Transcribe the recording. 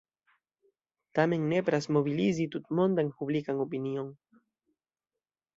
Tamen nepras mobilizi tutmondan publikan opinion.